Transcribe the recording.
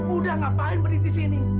udah ngapain beli di sini